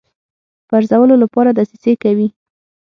پرزولو لپاره دسیسې کوي.